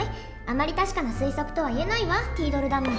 あまり確かな推測とはいえないわティードルダム。